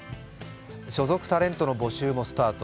所属タレントの募集もスタート。